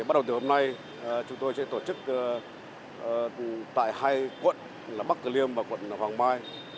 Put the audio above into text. bắt đầu từ hôm nay chúng tôi sẽ tổ chức tại hai quận là bắc tử liêm và quận hoàng mai